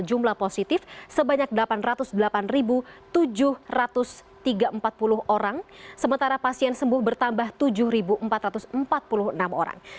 jumlah positif sebanyak delapan ratus delapan tujuh ratus tiga empat puluh orang sementara pasien sembuh bertambah tujuh empat ratus empat puluh enam orang